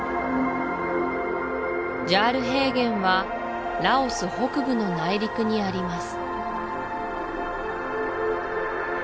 ジャール平原はラオス北部の内陸にあります